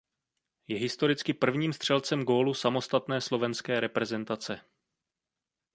Je historicky prvním střelcem gólu samostatné slovenské reprezentace.